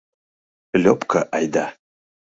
Льопко айда!